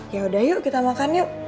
yaudah yuk kita makan yuk